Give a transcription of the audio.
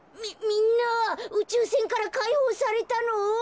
みんなうちゅうせんからかいほうされたの？